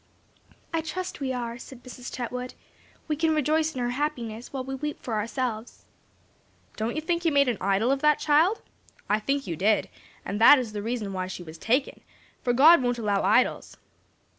"I trust we are," said Mrs. Chetwood, "we can rejoice in her happiness while we weep for ourselves." "Don't you think you made an idol of that child? I think you did, and that that is the reason why she was taken; for God won't allow idols."